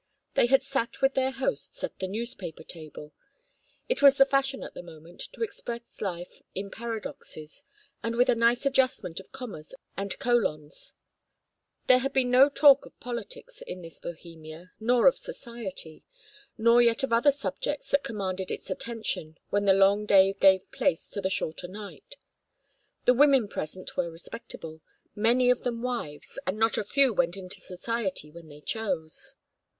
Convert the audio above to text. They had sat with their hosts at the "newspaper table." It was the fashion at the moment to express life in paradoxes, and with a nice adjustment of commas and colons. There had been no talk of politics in this Bohemia, nor of society; nor yet of other subjects that commanded its attention when the long day gave place to the shorter night: the women present were respectable, many of them wives, and not a few went into society when they chose.